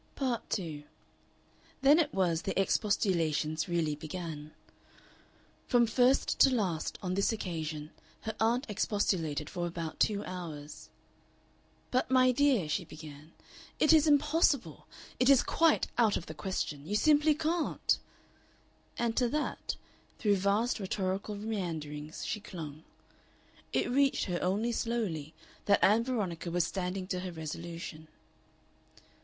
Part 2 Then it was the expostulations really began. From first to last, on this occasion, her aunt expostulated for about two hours. "But, my dear," she began, "it is Impossible! It is quite out of the Question. You simply can't." And to that, through vast rhetorical meanderings, she clung. It reached her only slowly that Ann Veronica was standing to her resolution.